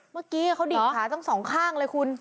เมื่อกี้เขาดิกขาทั้งสองข้างเลยคุณ